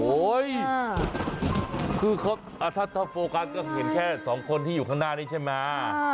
คือถ้าโฟกัสก็เห็นแค่สองคนที่อยู่ข้างหน้านี้ใช่ไหม